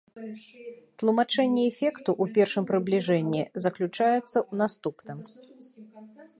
Тлумачэнне эфекту ў першым прыбліжэнні заключаецца ў наступным.